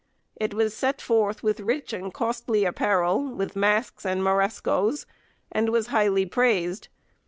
It was set forth with rich and costly apparel, with masks and morescoes, and was highly praised.